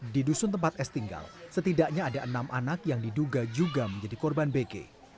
di dusun tempat s tinggal setidaknya ada enam anak yang diduga juga menjadi korban bg